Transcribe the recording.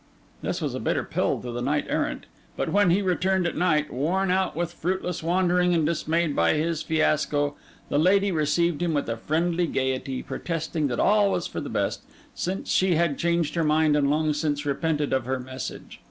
This was a bitter pill to the knight errant; but when he returned at night, worn out with fruitless wandering and dismayed by his fiasco, the lady received him with a friendly gaiety, protesting that all was for the best, since she had changed her mind and long since repented of her message.